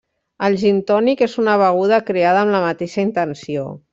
El gintònic és una beguda creada amb la mateixa intenció.